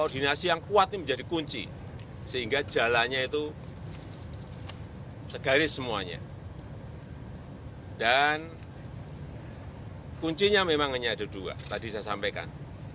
dan kuncinya memang hanya ada dua tadi saya sampaikan